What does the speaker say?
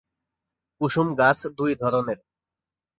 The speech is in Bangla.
কুসুম গাছ দুই ধরনের।